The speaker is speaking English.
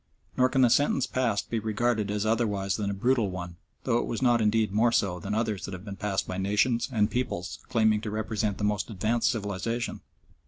Nor can the sentence passed be regarded as otherwise than a brutal one, though it was not indeed more so than others that have been passed by nations and peoples claiming to represent the most advanced civilisation.